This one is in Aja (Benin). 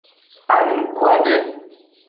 Anukwade.